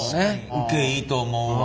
受けいいと思うわ。